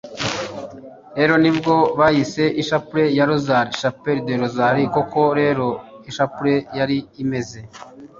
rero nibwo bayise ishapule ya rozari (chapelet du rosaire). koko rero ishapule yari imeze